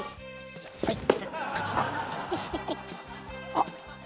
あっ。